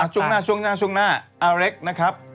กินกาแฟไม่เป็นไงช่วงหน้าอเล็กส์นะครับ